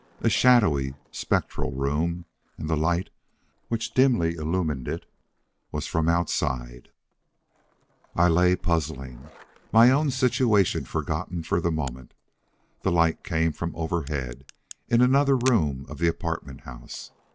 A shadowy, spectral room, and the light, which dimly illumined it, was from outside. I lay puzzling, my own situation forgotten for the moment. The light came from overhead, in another room of the apartment house.